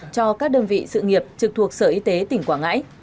cho các đơn vị sự nghiệp trực thuộc sở y tế tỉnh quảng ngãi